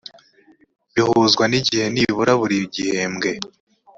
bihuzwa n igihe nibura buri gihembwe